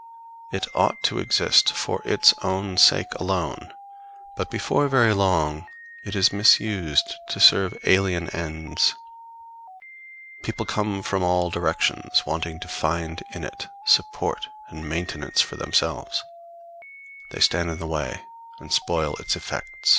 It ought to exist for its own sake alone, but before very long it is misused to serve alien ends. People come from all directions wanting to find in it support and maintenance for themselves; they stand in the way and spoil its effect.